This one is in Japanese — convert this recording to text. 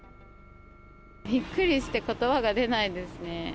びっくりして、ことばが出ないですね。